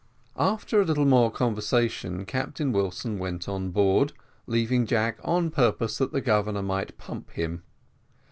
After a little more conversation, Captain Wilson went on board, leaving Jack on purpose that the Governor might pump him.